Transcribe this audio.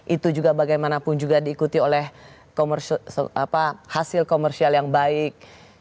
itu juga bagaimanapun juga diikuti oleh hasil komersial yang baik